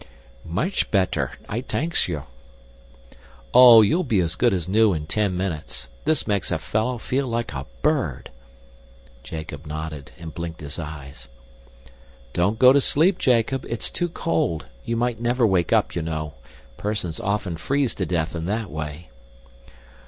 "Much petter, I tanks you." "Oh, you'll be as good as new in ten minutes. This makes a fellow feel like a bird." Jacob nodded and blinked his eyes. "Don't go to sleep, Jacob, it's too cold. You might never wake up, you know. Persons often freeze to death in that way."